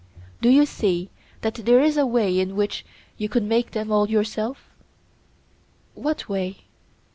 Do you see that there is a way in which you could make them all yourself? What way?